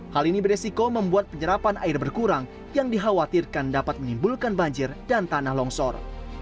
hal ini beresiko membuat penyerapan air berkurang yang dikhawatirkan dapat menimbulkan banjir dan tanah longsor